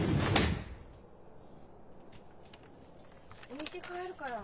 置いて帰るから。